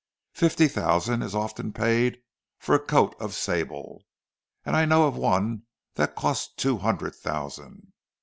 Fifty thousand is often paid for a coat of sable, and I know of one that cost two hundred thousand.